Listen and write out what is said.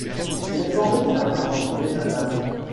Il est formé d’une armature entourée d’un tamis.